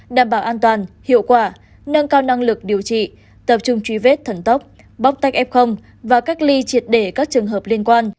đảm bảo an toàn hiệu quả nâng cao năng lực điều trị tập trung truy vết thần tốc bóc tách f và cách ly triệt để các trường hợp liên quan